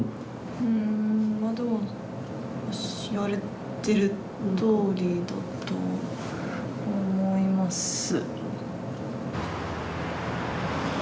うんまあどう言われてるとおりだと思います。